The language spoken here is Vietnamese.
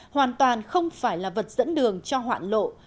hoàn toàn không phải là vật dẫn đường cho hoạn lộ